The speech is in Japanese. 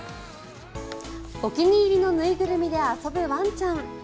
お気に入りの縫いぐるみで遊ぶワンちゃん。